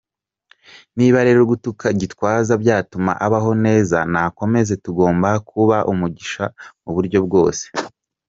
Niba rero gutuka Gitwaza byatuma abaho neza nakomeze, tugomba kuba umugisha mu buryo bwose.